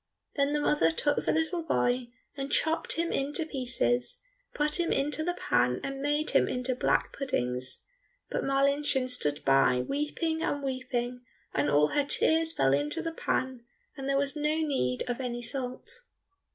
Then the mother took the little boy and chopped him in pieces, put him into the pan and made him into black puddings; but Marlinchen stood by weeping and weeping, and all her tears fell into the pan and there was no need of any salt.